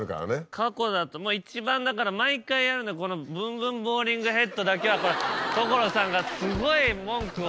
過去だとまぁ一番だから毎回あるのはこのブンブンボウリングヘッドだけはこれ所さんがすごい文句を。